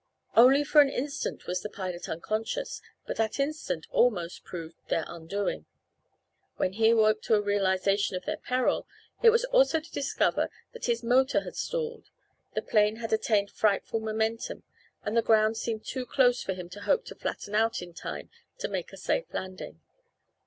Only for an instant was the pilot unconscious, but that instant almost proved their undoing. When he awoke to a realization of their peril it was also to discover that his motor had stalled. The plane had attained frightful momentum, and the ground seemed too close for him to hope to flatten out in time to make a safe landing.